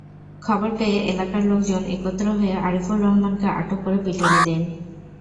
খবর পেয়ে এলাকার লোকজন একত্র হয়ে আরিফুর রহমানকে আটক করে পিটুনি দেন।